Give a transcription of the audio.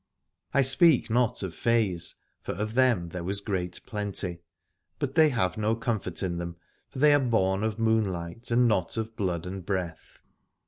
I speak not of fays, for of them there was great plenty: but they have no com fort in them, for they are born of moon light and not of blood and breath.